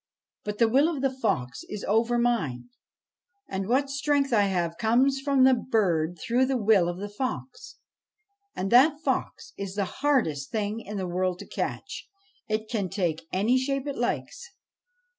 But the will of the fox is over mine, and what strength I have comes from the bird through the will of the fox. And that fox is the hardest thing in the world to catch : it can take any shape it likes.